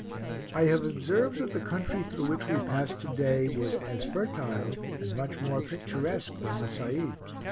I have observed, that the country through which we passed to day, was as fertile and much more picturesque than the Said.